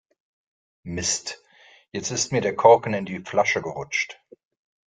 Mist, jetzt ist mir der Korken in die Flasche gerutscht.